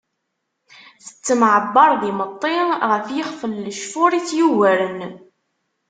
Tettemɛebbar d imeṭṭi ɣef yixef n lecfur itt-yugaren.